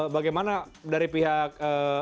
bagaimana dari pihak